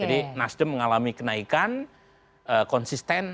jadi nasdem mengalami kenaikan konsisten